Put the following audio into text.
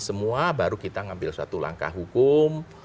semua baru kita ngambil suatu langkah hukum